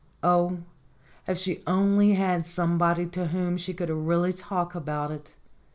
Oh, if she only had somebody to whom she could really talk about it